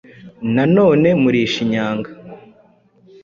na none muri Shinyanga